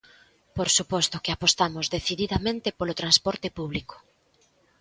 Por suposto que apostamos decididamente polo transporte público.